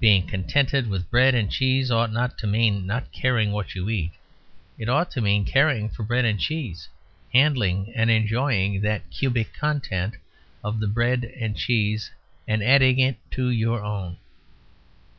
Being contented with bread and cheese ought not to mean not caring what you eat. It ought to mean caring for bread and cheese; handling and enjoying the cubic content of the bread and cheese and adding it to your own.